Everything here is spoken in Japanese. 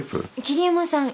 桐山さん